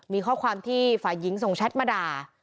มีข้อความที่ฝ่ายหญิงส่งแชทมาด่า